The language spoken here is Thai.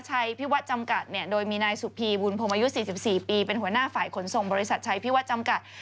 พิวัตรจำกัดเนี่ยโดยมีนายสุพีบุญพรมอายุ๔๔ปีเป็นหัวหน้าฝ่ายขนส่งบริษัทชัยพิวัตรจำกัด